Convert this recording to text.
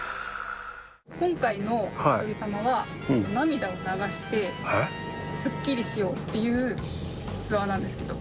今回のおひとり様は、涙を流してすっきりしようっていうツアーなんですけど。